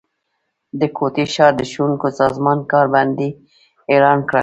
د کوټي ښار د ښونکو سازمان کار بندي اعلان کړه